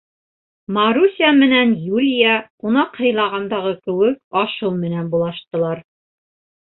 Маруся менән Юлия, ҡунаҡ һыйлағандағы кеүек, аш-һыу менән булаштылар.